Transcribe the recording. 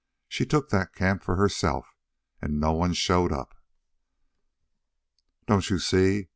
She took that camp for herself and no one showed up. "Don't you see?